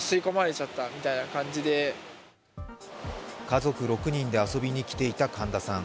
家族６人で遊びに来ていた神田さん。